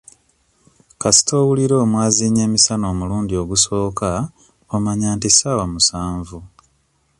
Kasita owulira omwaziinyi emisana omulundi ogusooka omanya nti ssaawa musanvu.